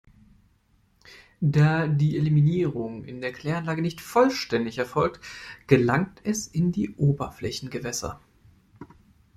Da die Eliminierung in der Kläranlage nicht vollständig erfolgt, gelangt es in die Oberflächengewässer.